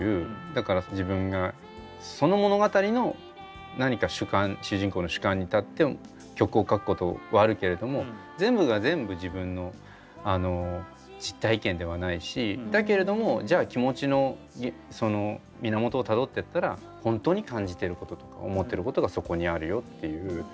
だから自分がその物語の何か主観主人公の主観に立って曲を書くことはあるけれども全部が全部自分の実体験ではないしだけれどもじゃあ気持ちの源をたどってったらホントに感じてることとか思ってることがそこにあるよっていう。